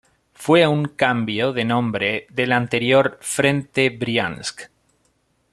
Fue un cambio de nombre del anterior Frente Briansk.